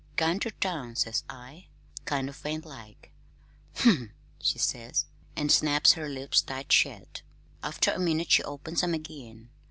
'Gone ter town,' says I, kind o' faint like. 'Umph!' she says, an' snaps her lips tight shet. After a minute she opens 'em again.